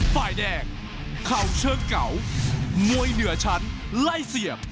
ฝ่ายแดงเข่าเชิงเก่ามวยเหนือชั้นไล่เสียบ